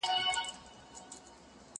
زه مړۍ نه خورم!!